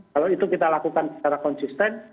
kalau itu kita lakukan secara konsisten